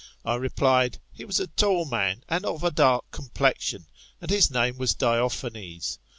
I replied. He was a tall man, and of a dark complexion, and his name was Diophanes.